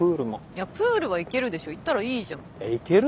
いやプールは行けるでしょ行ったらいいじゃん。え行ける？